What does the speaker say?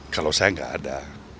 kalau saya nggak ada